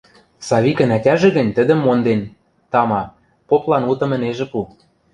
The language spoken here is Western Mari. Савикӹн ӓтяжӹ гӹнь тӹдӹм монден, тама, поплан утым ӹнежӹ пу.